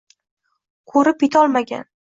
Ko’rib yetolmagan